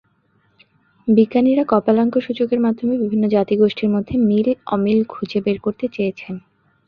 বিজ্ঞানীরা কপালাঙ্ক সূচকের মাধ্যমে বিভিন্ন জাতি-গোষ্ঠীর মধ্যে মিল-অমিল খুঁজে বের করতে চেয়েছেন।